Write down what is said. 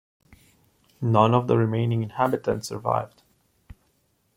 None of the remaining inhabitants survived.